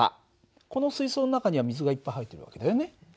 この水そうの中には水がいっぱい入ってる訳だよね。